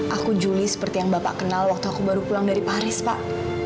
aku juli seperti yang bapak kenal waktu aku baru pulang dari paris pak